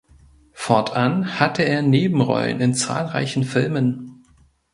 Fortan hatte er Nebenrollen in zahlreichen Filmen.